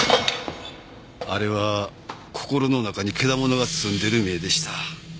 あれは心の中にケダモノがすんでる目でした。